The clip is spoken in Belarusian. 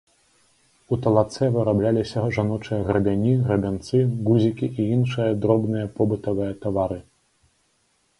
У талацэ вырабляліся жаночыя грабяні, грабянцы, гузікі і іншыя дробныя побытавыя тавары.